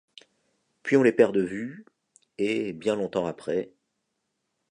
Puis on les perd de vue ; et, bien longtemps après